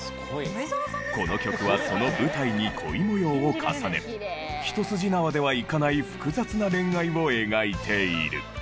この曲はその舞台に恋模様を重ね一筋縄ではいかない複雑な恋愛を描いている。